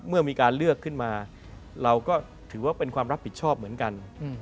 เมื่อมีการเลือกขึ้นมาเราก็ถือว่าเป็นความรับผิดชอบเหมือนกัน